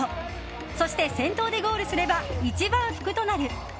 そして、先頭でゴールすれば一番福となる。